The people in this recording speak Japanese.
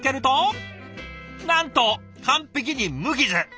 なんと完璧に無傷！